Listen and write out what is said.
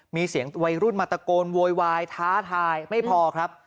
มีเสียงวัยรุ่นมาตะโกนโวยวายท้าทายไม่พอครับ